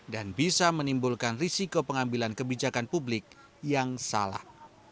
dan bisa menimbulkan risiko pengambilan kebijakan publik yang salah